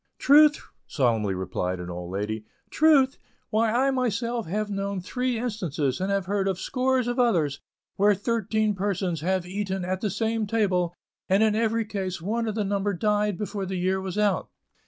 "Truth!" solemnly replied an old lady. "Truth! Why I myself have known three instances, and have heard of scores of others, where thirteen persons have eaten at the same table, and in every case one of the number died before the year was out!"